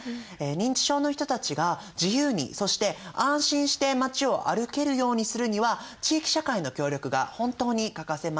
認知症の人たちが自由にそして安心して街を歩けるようにするには地域社会の協力が本当に欠かせません。